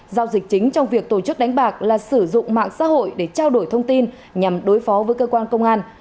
giao dịch chính trong việc tổ chức đánh bạc là sử dụng mạng xã hội để trao đổi thông tin nhằm đối phó với cơ quan công an